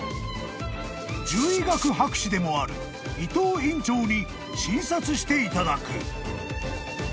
［獣医学博士でもある伊藤院長に診察していただく］